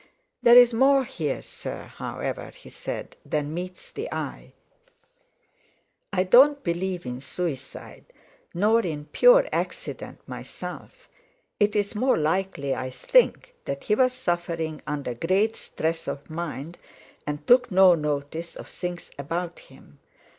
"There's more here, sir, however," he said, "than meets the eye. I don't believe in suicide, nor in pure accident, myself. It's more likely I think that he was suffering under great stress of mind, and took no notice of things about him.